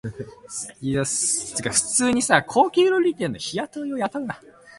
"Scylla" served with the Home Fleet on Arctic convoy duties.